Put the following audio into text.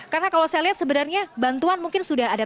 karena kalau saya lihat sebenarnya bantuan mungkin sudah ada